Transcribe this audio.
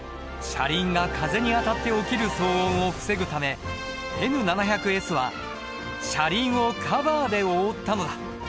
車輪が風に当たって起きる騒音を防ぐためＮ７００Ｓは車輪をカバーで覆ったのだ。